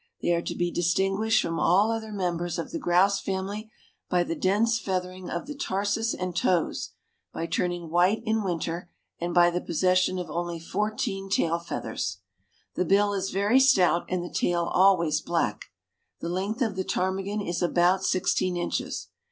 They are to be distinguished from all other members of the grouse family by the dense feathering of the tarsus and toes, by turning white in winter and by the possession of only fourteen tail feathers. The bill is very stout and the tail always black. The length of the ptarmigan is about sixteen inches.